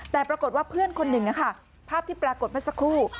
แต่ปรากฏว่าเพื่อนคนหนึ่งภาพที่ปรากฏเมื่อสักครู่